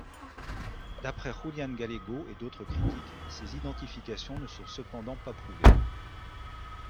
D’après Julián Gállego et d’autres critiques, ces identifications ne sont cependant pas prouvées.